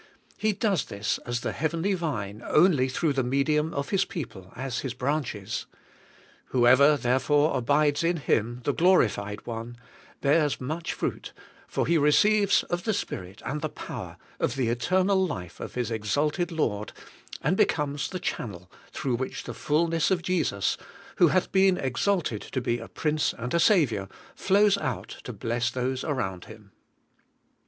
He does this as the heavenly Vine only through the medium of His people as His branches. Whoever, therefore, abides in Him, the Glorified One, bears much fruit, for he receives of the Spirit and the power of the eternal life of his exalted Lord, and becomes the channel through which the fulness of Jesus, who hath been exalted to be a Prince and a Saviour, flows out to bless those around him.